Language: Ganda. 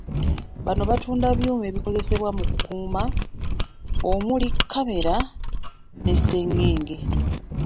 Bano batunda byuma ebikozesebwa mu kukuuma, omuli; kkamera, ne ssengenge.